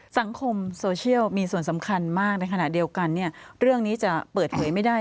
สังคมโซเชียลมีส่วนสำคัญมากในขณะเดียวกันเนี่ยเรื่องนี้จะเปิดเผยไม่ได้